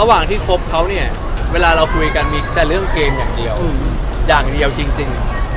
หลังจากที่เลิกกับพี่หอมไปเพิ่งมาคุยกันหรือว่าต้องอยู่กัน